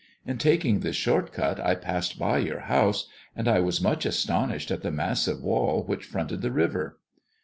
In taking this short cut I passed by your house, and I was much astonished at the massive wall which fronted the river."